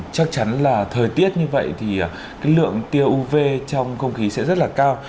chắc chắn là thời tiết như vậy thì lượng tiêu uv trong không khí sẽ rất là cao